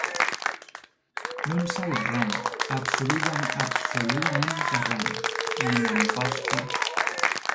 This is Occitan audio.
Non sai arren, absoludaments arren, ne ac posqui saber.